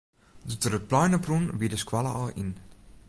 Doe't er it plein op rûn, wie de skoalle al yn.